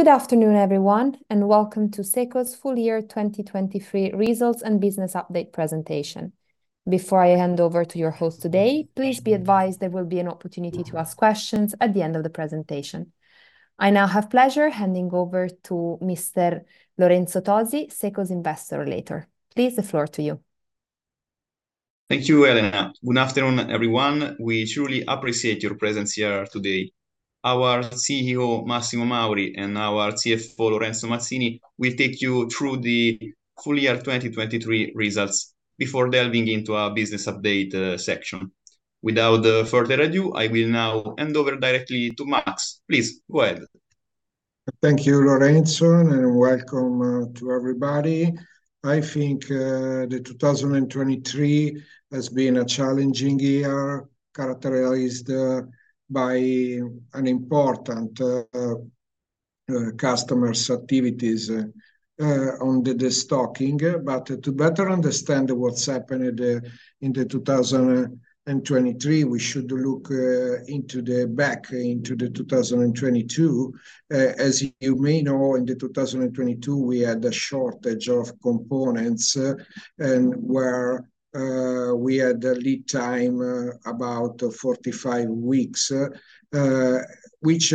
Good afternoon, everyone, and welcome to SECO's full year 2023 results and business update presentation. Before I hand over to your host today, please be advised there will be an opportunity to ask questions at the end of the presentation. I now have pleasure handing over to Mr. Lorenzo Tozzi, SECO's investor relations. Leave the floor to you. Thank you, Elena. Good afternoon, everyone. We truly appreciate your presence here today. Our CEO, Massimo Mauri, and our CFO, Lorenzo Mazzini, will take you through the full year 2023 results before delving into our business update section. Without further ado, I will now hand over directly to Max. Please, go ahead. Thank you, Lorenzo, and welcome to everybody. I think the 2023 has been a challenging year, characterized by an important customers' activities on the de-stocking. But to better understand what's happened in the 2023, we should look into the back, into the 2022. As you may know, in the 2022, we had a shortage of components, and where we had a lead time about 45 weeks, which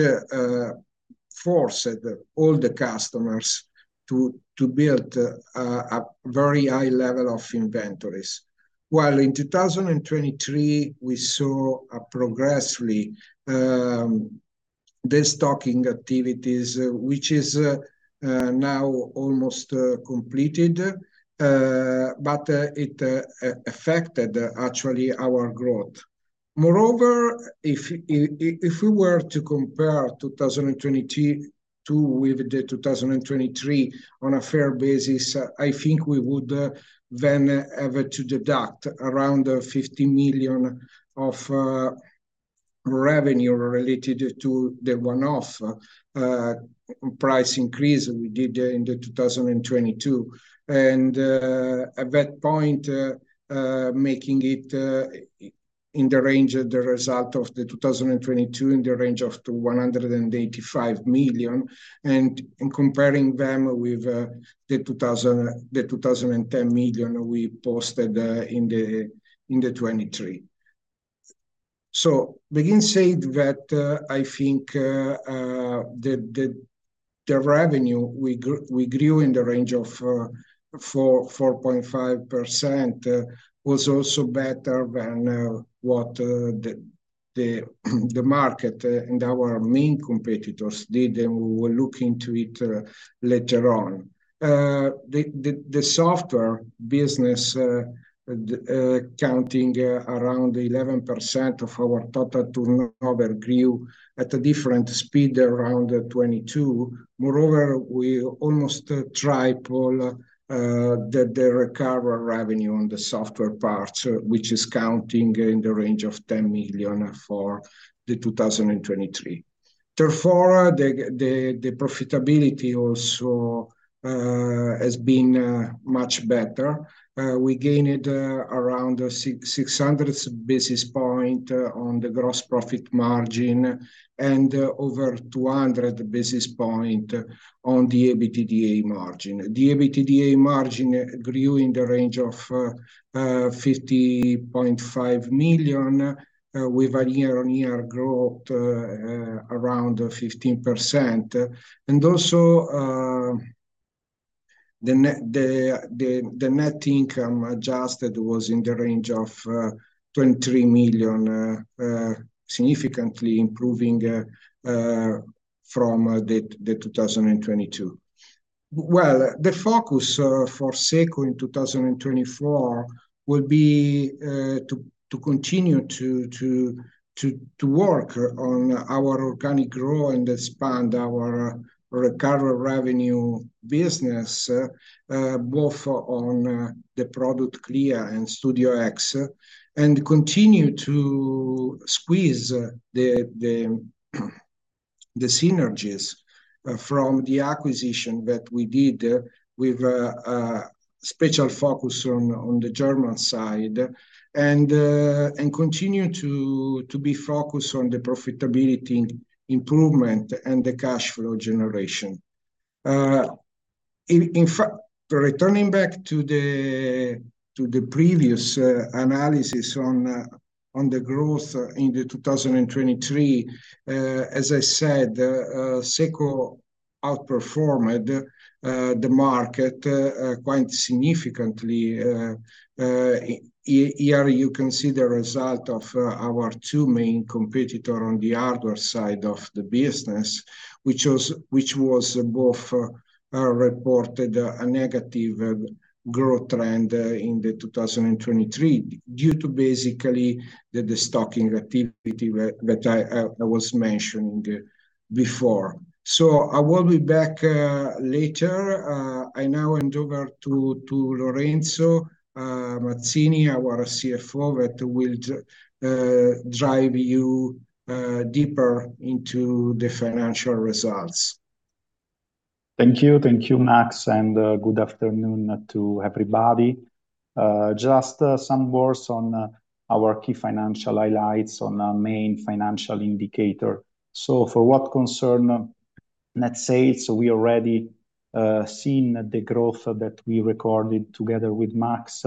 forced all the customers to build a very high level of inventories. While in 2023, we saw a progressively de-stocking activities, which is now almost completed, but it affected actually our growth. Moreover, if we were to compare 2022 with 2023 on a fair basis, I think we would then have to deduct around 50 million of revenue related to the one-off price increase we did in 2022. And at that point, making it in the range of the result of 2022, in the range of 185 million, and comparing them with the 210 million we posted in 2023. Having said that, I think the revenue we grew in the range of 4%-4.5% was also better than what the market and our main competitors did, and we will look into it later on. The software business, accounting for around 11% of our total turnover grew at a different speed around 22%. Moreover, we almost tripled the recurring revenue on the software parts, which is coming in the range of 10 million for 2023. Therefore, the profitability also has been much better. We gained around 600 basis points on the gross profit margin, and over 200 basis points on the EBITDA margin. The EBITDA margin grew in the range of 50.5 million with a year-on-year growth around 15%. Also, the net income adjusted was in the range of 23 million, significantly improving from 2022. Well, the focus for SECO in 2024 will be to continue to work on our organic growth and expand our recurring revenue business both on the product CLEA and StudioX, and continue to squeeze the synergies from the acquisition that we did with special focus on the German side. And continue to be focused on the profitability improvement, and the cash flow generation. In fact, returning back to the previous analysis on the growth in 2023, as I said, SECO outperformed the market quite significantly. Here, you can see the result of our two main competitor on the hardware side of the business, which both reported a negative growth trend in 2023, due to basically the de-stocking activity that I was mentioning before. So I will be back later. I now hand over to Lorenzo Mazzini, our CFO, that will drive you deeper into the financial results. Thank you. Thank you, Max, and good afternoon to everybody. Just some words on our key financial highlights on our main financial indicator. So for what concern net sales, we already seen the growth that we recorded together with Max.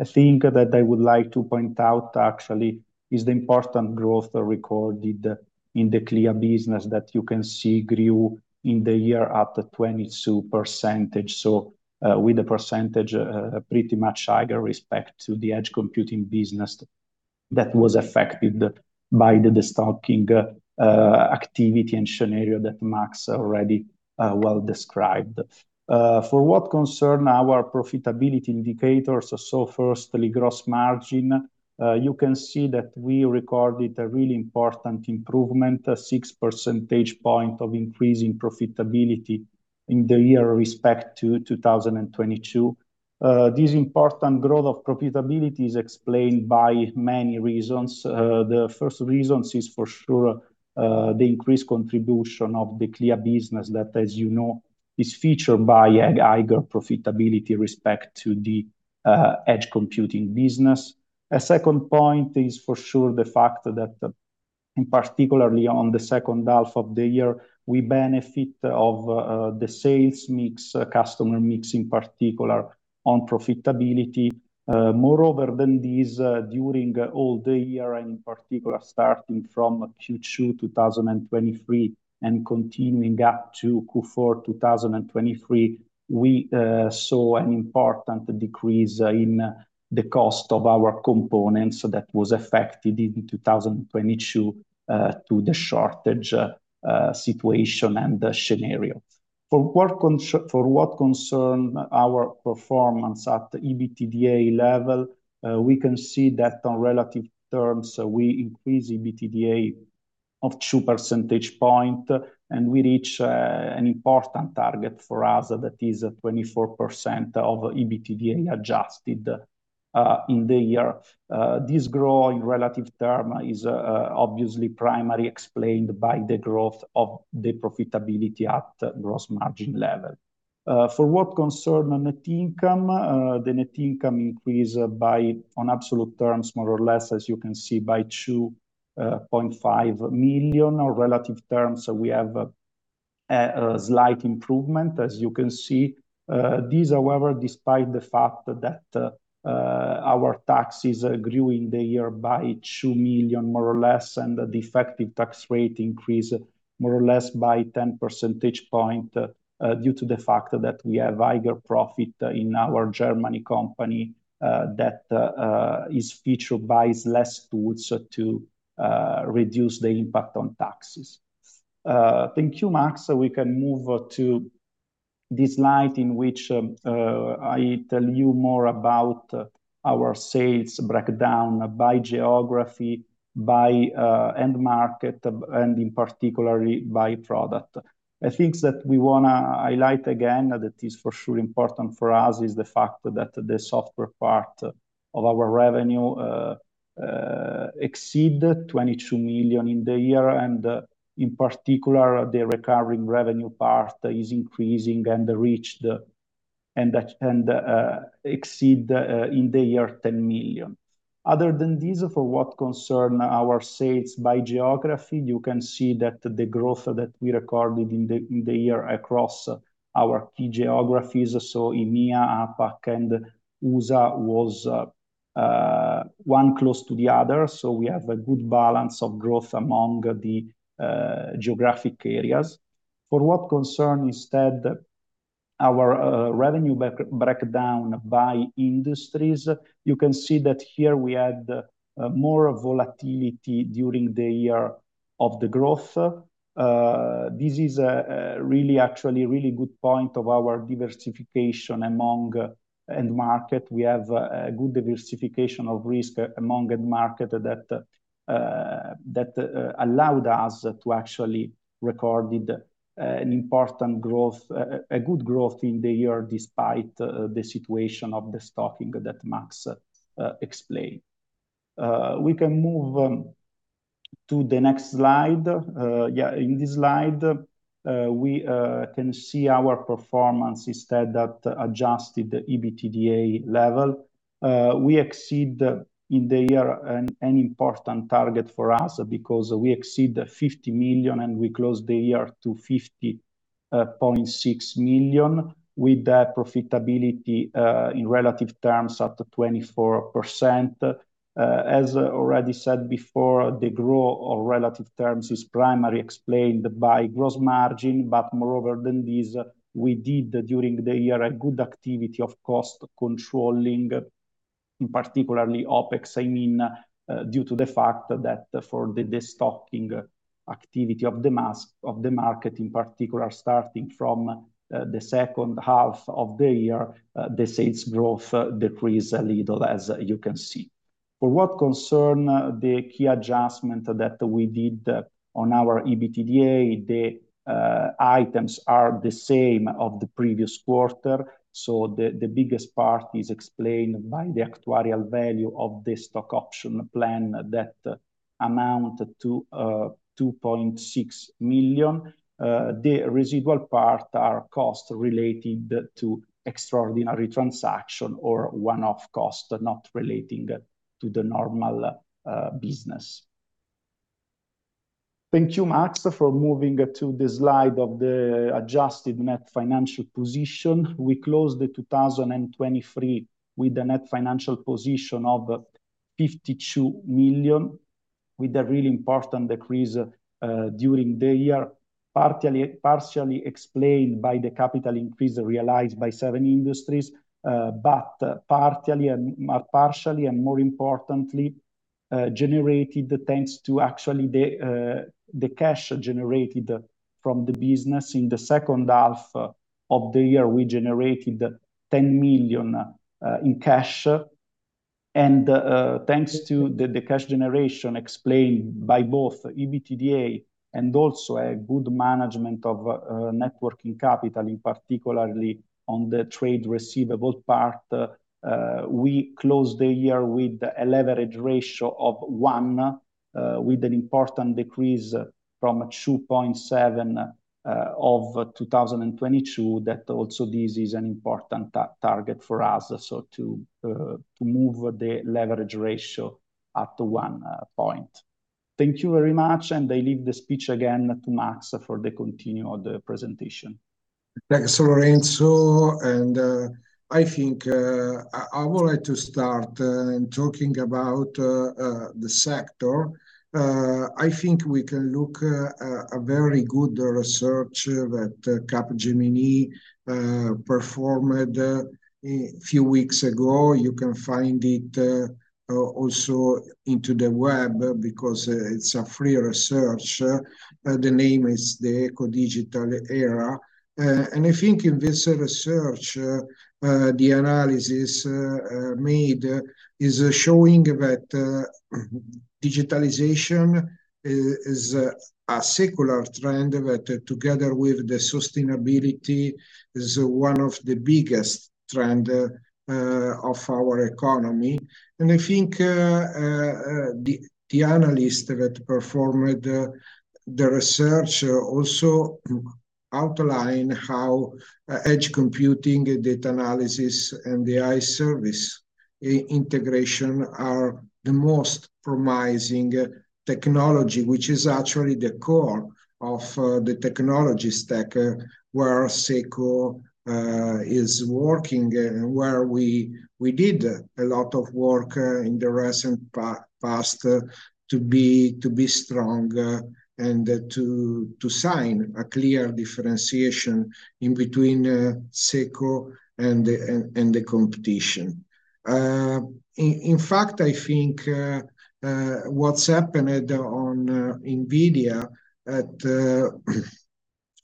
A thing that I would like to point out, actually, is the important growth recorded in the Clea business that you can see grew in the year up to 22%. So, with the percentage pretty much higher respect to the edge computing business that was affected by the de-stocking activity and scenario that Max already well described. For what concern our profitability indicators, so firstly, gross margin, you can see that we recorded a really important improvement, a 6 percentage point of increase in profitability in the year respect to 2022. This important growth of profitability is explained by many reasons. The first reasons is for sure the increased contribution of the Clea business that, as you know, is featured by a higher profitability respect to the edge computing business. A second point is for sure the fact that, particularly on the second half of the year, we benefit of the sales mix, customer mix, in particular, on profitability. Moreover, than these, during all the year, and in particular, starting from Q2 2023 and continuing up to Q4 2023, we saw an important decrease in the cost of our components, so that was affected in 2022 to the shortage situation and the scenario. For what concern our performance at the EBITDA level, we can see that on relative terms, we increase EBITDA of two percentage point, and we reach an important target for us, that is a 24% of EBITDA adjusted in the year. This grow in relative term is obviously primarily explained by the growth of the profitability at gross margin level. For what concern the net income, the net income increase by on absolute terms, more or less, as you can see, by 2.5 million or relative terms, so we have a slight improvement, as you can see. These, however, despite the fact that our taxes grew in the year by 2 million, more or less, and the effective tax rate increased more or less by 10 percentage points, due to the fact that we have higher profit in our German company, that is featured by less tools to reduce the impact on taxes. Thank you, Max. We can move to this slide in which I tell you more about our sales breakdown by geography, by end market, and in particular, by product. I think that we want to highlight again, that is for sure important for us, is the fact that the software part of our revenue exceeded 22 million in the year, and in particular, the recurring revenue part is increasing and reached and exceeded in the year 10 million. Other than this, for what concern our sales by geography, you can see that the growth that we recorded in the year across our key geographies, so EMEA, APAC, and USA was one close to the other, so we have a good balance of growth among the geographic areas. For what concern, instead, our revenue breakdown by industries, you can see that here we had more volatility during the year of the growth. This is a really, actually, really good point of our diversification among end market. We have a good diversification of risk among end market that allowed us to actually recorded an important growth, a good growth in the year, despite the situation of the de-stocking that Max explained. We can move on to the next slide. Yeah, in this slide, we can see our performance instead at adjusted EBITDA level. We exceed in the year an important target for us because we exceed the 50 million, and we close the year to 50.6 million, with the profitability in relative terms up to 24%. As already said before, the growth of relative terms is primarily explained by gross margin, but moreover than this, we did during the year a good activity of cost controlling, in particular OpEx, I mean, due to the fact that for the destocking activity of the mass of the market, in particular, starting from the second half of the year, the sales growth decreased a little, as you can see. For what concern the key adjustment that we did on our EBITDA, the items are the same of the previous quarter, so the biggest part is explained by the actuarial value of the stock option plan that amount to 2.6 million. The residual part are costs related to extraordinary transaction or one-off cost, not relating to the normal business. Thank you, Max, for moving to the slide of the adjusted net financial position. We closed the 2023 with a net financial position of 52 million, with a really important decrease during the year, partially explained by the capital increase realized by 7-Industries. But partially and more importantly, generated thanks to actually the cash generated from the business. In the second half of the year, we generated 10 million in cash. And thanks to the cash generation explained by both EBITDA and also a good management of net working capital, in particular on the trade receivable part, we closed the year with a leverage ratio of 1, with an important decrease from 2.7 of 2022, that also this is an important target for us, so to move the leverage ratio up to 1 point. Thank you very much, and I leave the speech again to Max for the continuation of the presentation. Thanks, Lorenzo, and I think I would like to start in talking about the sector. I think we can look at a very good research that Capgemini performed a few weeks ago. You can find it also into the web, because it's a free research. The name is the Eco-Digital Era. And I think in this research the analysis made is showing that digitalization is a secular trend, that together with the sustainability, is one of the biggest trend of our economy. And I think, the analyst that performed the research also outline how edge computing, data analysis, and the AI service integration are the most promising technology, which is actually the core of the technology stack where SECO is working, where we did a lot of work in the recent past to be stronger and to sign a clear differentiation in between SECO and the competition. In fact, I think what's happened on NVIDIA at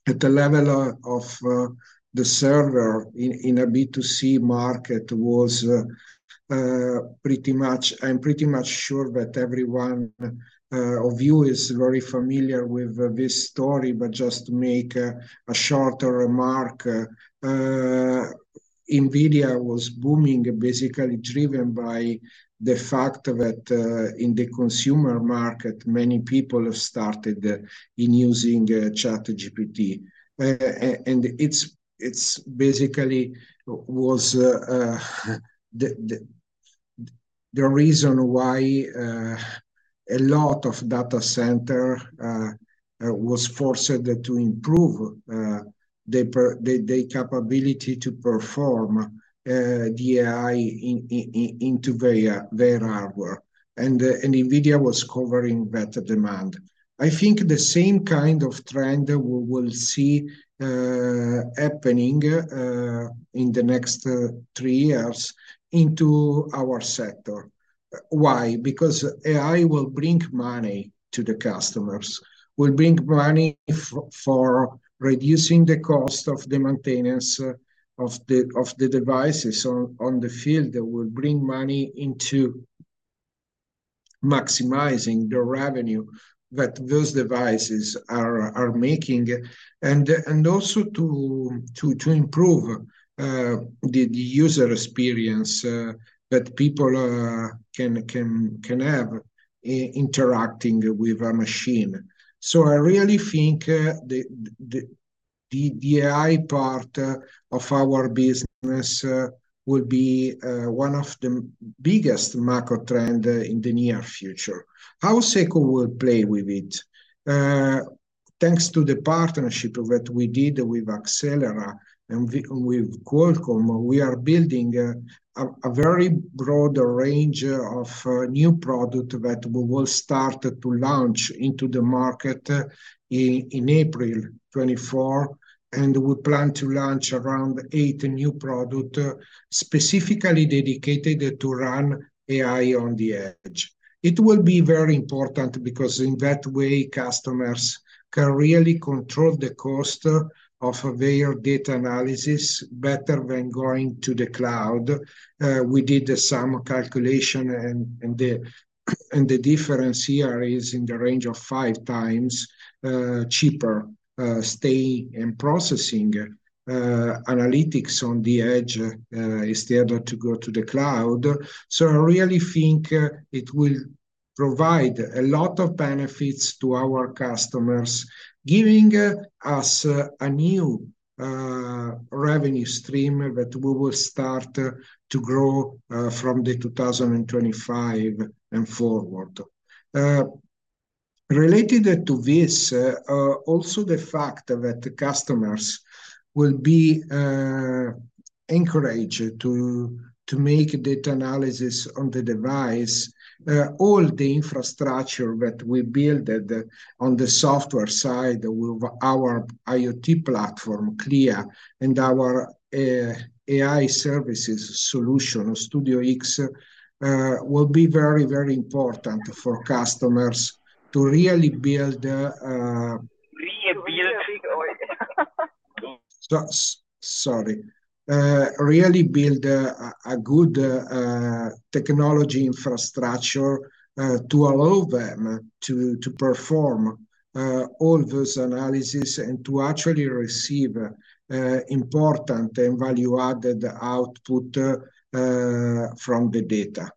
the level of the server in a B2C market was pretty much. I'm pretty much sure that every one of you is very familiar with this story, but just to make a short remark, NVIDIA was booming, basically driven by the fact that in the consumer market, many people have started in using ChatGPT. And it's basically was the reason why a lot of data center was forced to improve the capability to perform the AI into their hardware, and NVIDIA was covering that demand. I think the same kind of trend we will see happening in the next three years into our sector. Why? Because AI will bring money to the customers, will bring money for reducing the cost of the maintenance of the devices on the field, that will bring money into maximizing the revenue that those devices are making. And also to improve the user experience that people can have interacting with a machine. So I really think the AI part of our business will be one of the biggest macro trend in the near future. How SECO will play with it? Thanks to the partnership that we did with Axelera and with Qualcomm, we are building a very broad range of new product that we will start to launch into the market in April 2024, and we plan to launch around eight new product specifically dedicated to run AI on the edge. It will be very important, because in that way, customers can really control the cost of their data analysis better than going to the cloud. We did some calculation, and the difference here is in the range of five times cheaper storing and processing analytics on the edge instead to go to the cloud. So I really think, it will provide a lot of benefits to our customers, giving us, a new, revenue stream that we will start, to grow, from 2025 and forward. Related to this, also the fact that the customers will be, encouraged to, to make data analysis on the device. All the infrastructure that we built at the, on the software side with our IoT platform, CLEA, and our, AI services solution, StudioX, will be very, very important for customers to really build. Sorry. Really build a good technology infrastructure to allow them to perform all those analysis, and to actually receive important and value-added output from the data.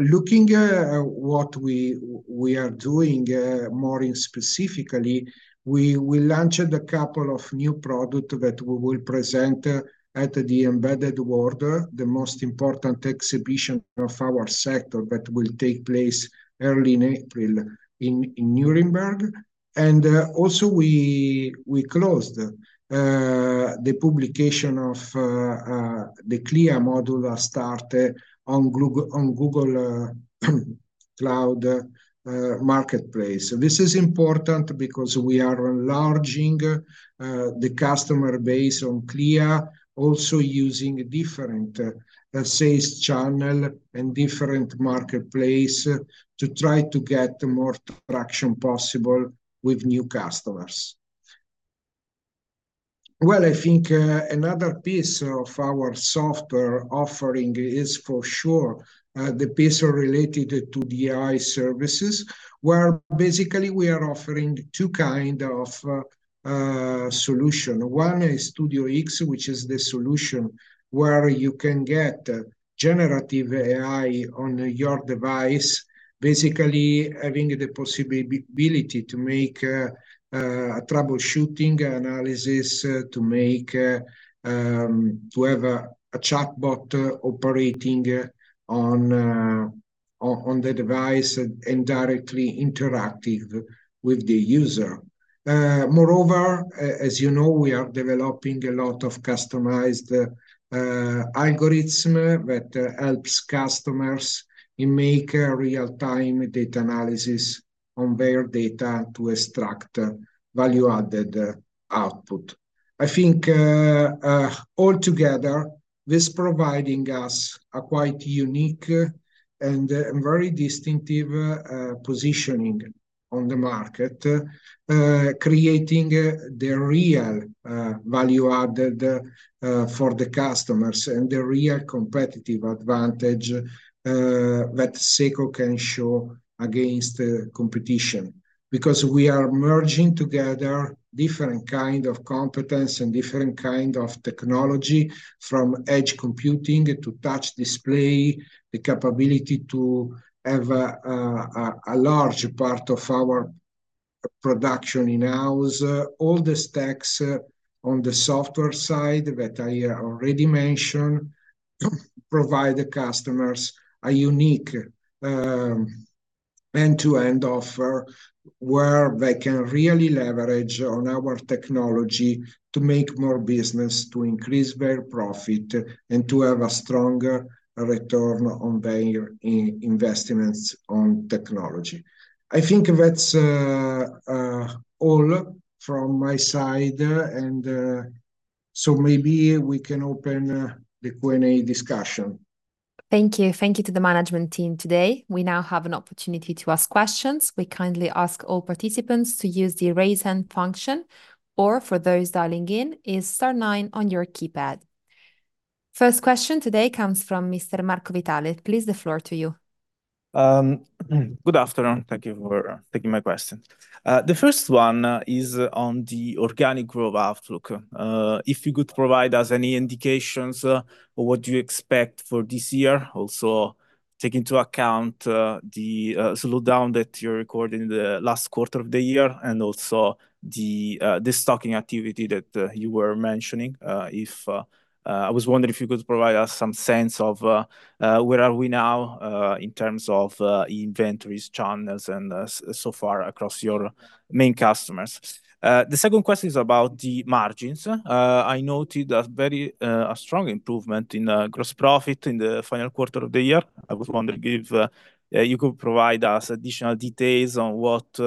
Looking at what we are doing more specifically, we will launch a couple of new product that we will present at the Embedded World, the most important exhibition of our sector, that will take place early in April in Nuremberg. And also we closed the publication of the CLEA module that started on Google Cloud Marketplace. This is important because we are enlarging the customer base on CLEA, also using a different sales channel and different marketplace to try to get more traction possible with new customers. Well, I think, another piece of our software offering is for sure, the piece related to the AI services, where basically we are offering two kind of solution. One is Studio X, which is the solution where you can get generative AI on your device, basically having the possibility to make a troubleshooting analysis, to have a chatbot operating on the device and directly interacting with the user. Moreover, as you know, we are developing a lot of customized algorithms that helps customers in make a real-time data analysis on their data to extract value-added output. I think, altogether, this providing us a quite unique and very distinctive positioning on the market, creating the real value added for the customers, and the real competitive advantage that SECO can show against the competition. Because we are merging together different kind of competence and different kind of technology, from edge computing to touch display, the capability to have a large part of our production in-house. All the stacks on the software side that I already mentioned provide the customers a unique end-to-end offer, where they can really leverage on our technology to make more business, to increase their profit, and to have a stronger return on their investments on technology. I think that's all from my side, and so maybe we can open the Q&A discussion. Thank you. Thank you to the management team today. We now have an opportunity to ask questions. We kindly ask all participants to use the Raise Hand function, or for those dialing in, it's star nine on your keypad. First question today comes from Mr. Marco Vitale. Please, the floor to you. Good afternoon. Thank you for taking my question. The first one is on the organic growth outlook. If you could provide us any indications, what do you expect for this year? Also, take into account the slowdown that you recorded in the last quarter of the year, and also the de-stocking activity that you were mentioning. I was wondering if you could provide us some sense of where are we now in terms of inventories, channels, and so far across your main customers. The second question is about the margins. I noted a very strong improvement in gross profit in the final quarter of the year. I was wondering if you could provide us additional details on what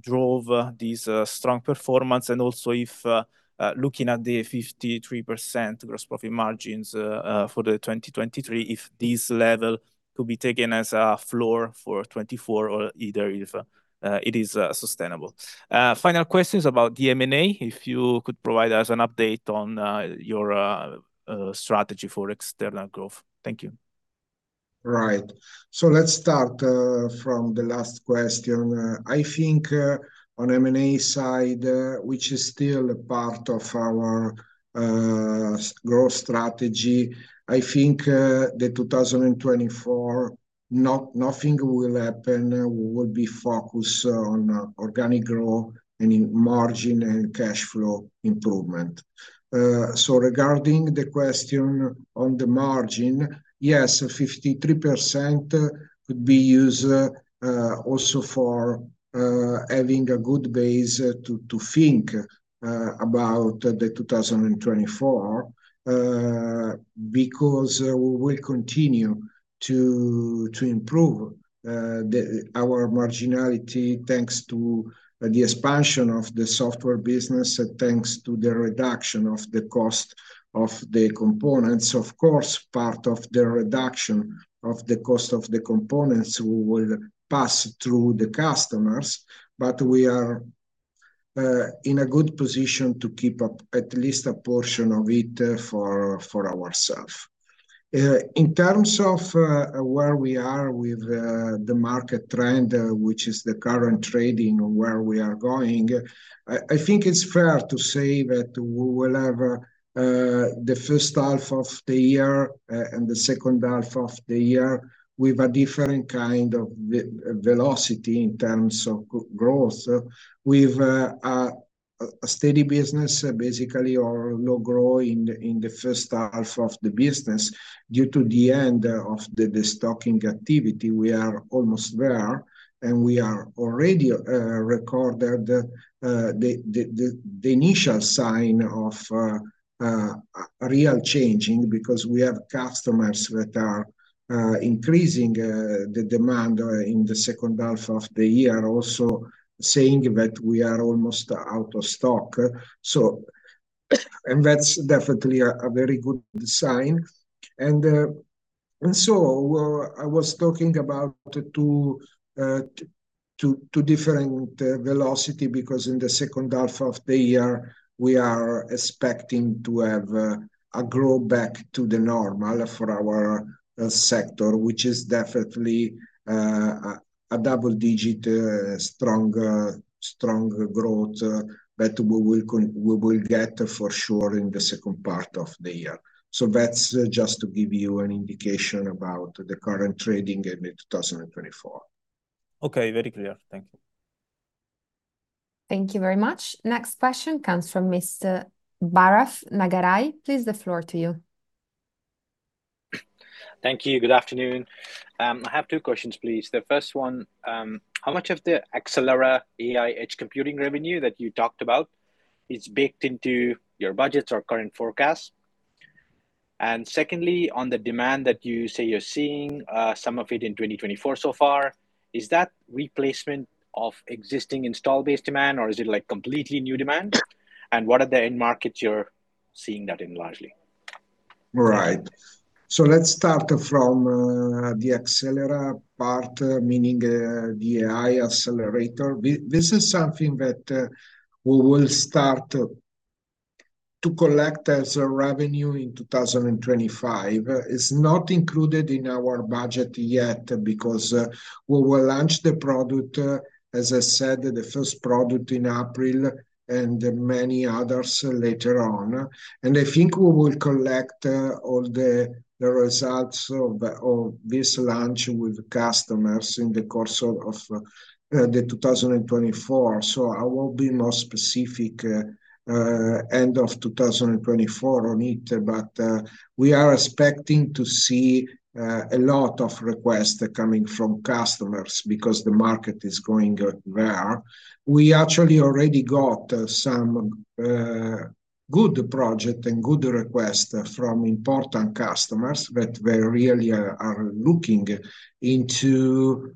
drove this strong performance, and also if looking at the 53% gross profit margins for 2023, if this level could be taken as a floor for 2024, or either if it is sustainable. Final question is about the M&A. If you could provide us an update on your strategy for external growth. Thank you. Right. So let's start from the last question. I think on M&A side, which is still a part of our growth strategy, I think the 2024, nothing will happen. We will be focused on organic growth and in margin and cash flow improvement. So regarding the question on the margin, yes, 53% would be used also for having a good base to think about the 2024. Because we will continue to improve our marginality, thanks to the expansion of the software business and thanks to the reduction of the cost of the components. Of course, part of the reduction of the cost of the components will pass through the customers, but we are in a good position to keep up at least a portion of it for ourself. In terms of where we are with the market trend, which is the current trading and where we are going, I think it's fair to say that we will have the first half of the year and the second half of the year with a different kind of velocity in terms of growth. With a steady business basically, or low growth in the first half of the business due to the end of the de-stocking activity. We are almost there, and we are already recorded the initial sign of a real changing, because we have customers that are increasing the demand in the second half of the year. Also, saying that we are almost out of stock. So, and that's definitely a very good sign. And so I was talking about two different velocity, because in the second half of the year, we are expecting to have a growth back to the normal for our sector, which is definitely a double digit strong growth that we will get for sure in the second part of the year. So that's just to give you an indication about the current trading in 2024. Okay, very clear. Thank you. Thank you very much. Next question comes from Mr. Bharath Nagaraj. Please, the floor to you. Thank you. Good afternoon. I have two questions, please. The first one, how much of the Axelera AI edge computing revenue that you talked about is baked into your budgets or current forecasts? And secondly, on the demand that you say you're seeing, some of it in 2024 so far, is that replacement of existing install-based demand, or is it, like, completely new demand? And what are the end markets you're seeing that in largely? Right. So let's start from the Axelera part, meaning the AI accelerator. This is something that we will start to collect as a revenue in 2025. It's not included in our budget yet, because we will launch the product, as I said, the first product in April, and many others later on. And I think we will collect all the results of this launch with customers in the course of 2024. So I will be more specific end of 2024 on it, but we are expecting to see a lot of requests coming from customers because the market is going there. We actually already got some good project and good requests from important customers, that they really are looking into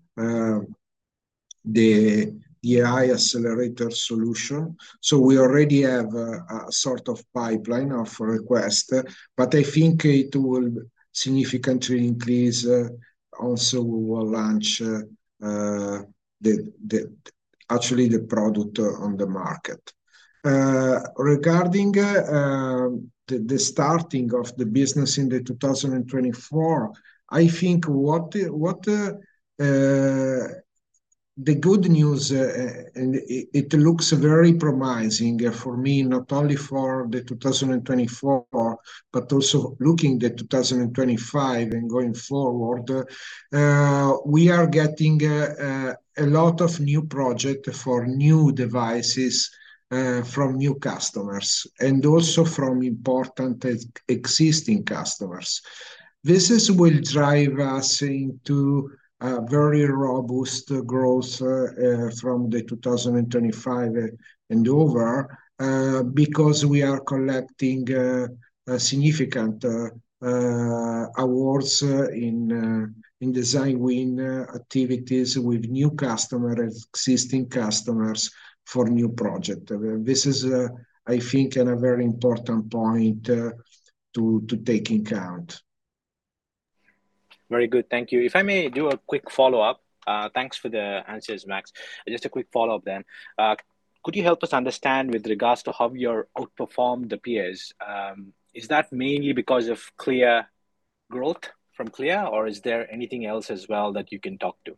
the AI accelerator solution. So we already have a sort of pipeline of request, but I think it will significantly increase. Also, we will launch actually the product on the market. Regarding the starting of the business in 2024, I think what, what... The good news, and it looks very promising for me, not only for 2024, but also looking at 2025 and going forward. We are getting a lot of new project for new devices from new customers, and also from important existing customers. This will drive us into a very robust growth from the 2025 and over, because we are collecting significant awards in design win activities with new customers, existing customers for new project. This is, I think, a very important point to take into account. Very good, thank you. If I may do a quick follow-up, thanks for the answers, Max. Just a quick follow-up then, could you help us understand with regards to how you're outperformed the peers? Is that mainly because of Clea growth from Clea, or is there anything else as well that you can talk to?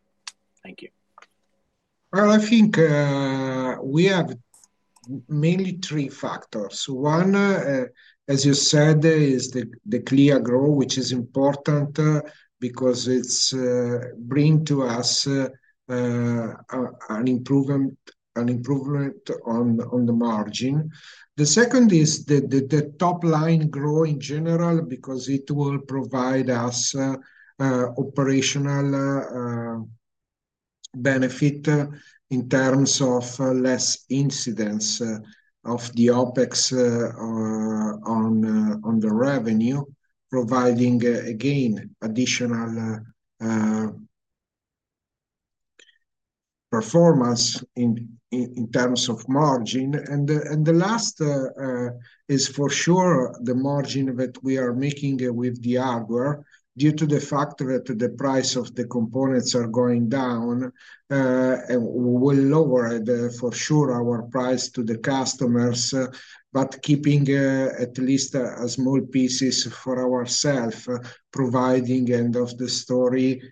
Thank you. Well, I think, we have mainly three factors. One, as you said, is the, the clear growth, which is important, because it's, bring to us, an improvement, an improvement on, on the margin. The second is the, the, the top line growth in general, because it will provide us, operational, benefit in terms of less incidents of the OpEx, on, on the revenue, providing, again, additional, performance in, in terms of margin. And the, and the last, is for sure the margin that we are making with the hardware due to the factor that the price of the components are going down, and will lower the, for sure, our price to the customers. But keeping at least a small pieces for ourselves, providing end of the story,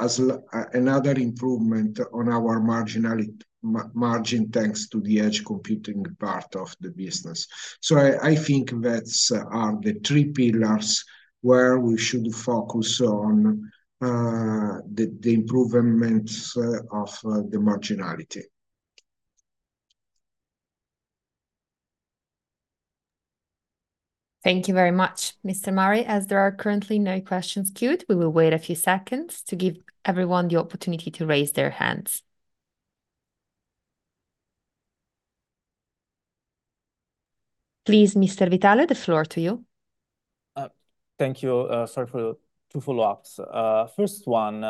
as another improvement on our marginality, margin, thanks to the edge computing part of the business. So I think that's are the three pillars where we should focus on, the improvements of the marginality. Thank you very much, Mr. Mauri. As there are currently no questions queued, we will wait a few seconds to give everyone the opportunity to raise their hands. Please, Mr. Vitale, the floor to you. Thank you. Sorry for two follow-ups. First one,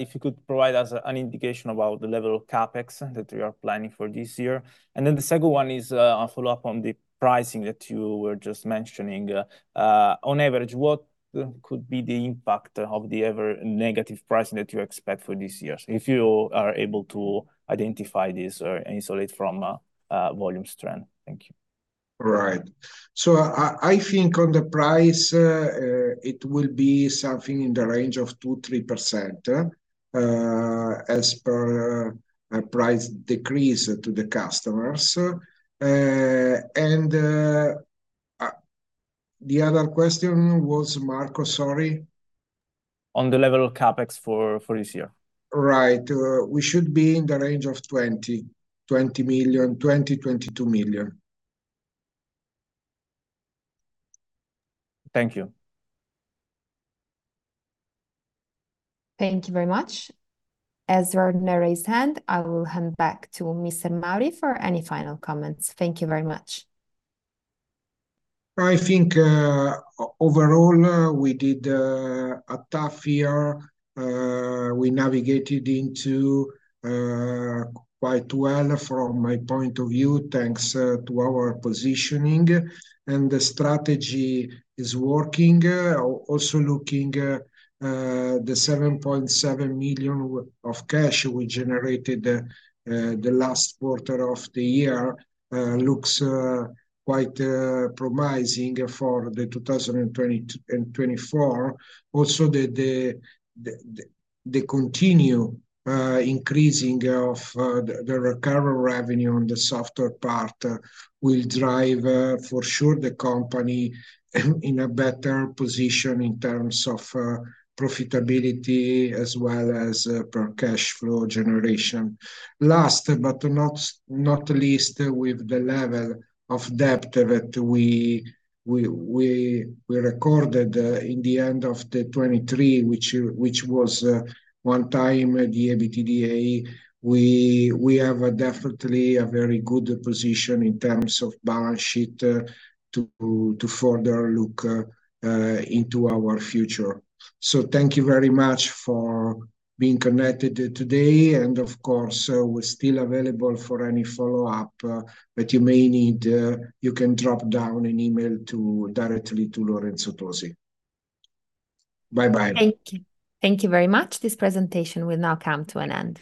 if you could provide us an indication about the level of CapEx that you are planning for this year. And then the second one is, a follow-up on the pricing that you were just mentioning. On average, what could be the impact of the ever negative pricing that you expect for this year, if you are able to identify this or isolate from a volume trend? Thank you. Right. So I think on the price, it will be something in the range of 2%-3%, as per a price decrease to the customers. And, the other question was, Marco, sorry? On the level of CapEx for this year. Right. We should be in the range of 20 million-22 million. Thank you. Thank you very much. As there are no raised hand, I will hand back to Mr. Mauri for any final comments. Thank you very much. I think, overall, we did a tough year. We navigated into quite well from my point of view, thanks to our positioning, and the strategy is working. Also looking the 7.7 million of cash we generated the last quarter of the year looks quite promising for 2023 and 2024. Also, the continuing increase of the recurring revenue on the software part will drive for sure the company in a better position in terms of profitability as well as cash flow generation. Last but not least, with the level of debt that we recorded in the end of 2023, which was 1x the EBITDA, we have a definitely a very good position in terms of balance sheet to further look into our future. So thank you very much for being connected today. And of course, we're still available for any follow-up that you may need. You can drop down an email to directly to Lorenzo Tozzi. Bye-bye. Thank you. Thank you very much. This presentation will now come to an end.